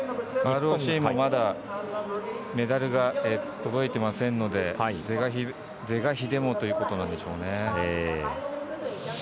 ＲＯＣもまだメダルが届いていませんので是が非でもということなんでしょうね。